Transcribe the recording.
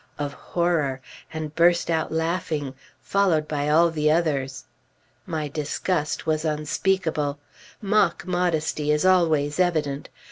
of horror, and burst out laughing, followed by all the others. My disgust was unspeakable. Mock modesty is always evident.